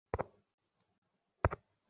এত পুরাতন ইট, এইটা ত ভাঙবোই।